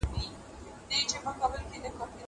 چاويل چي لوړ دی اسمان ليري دی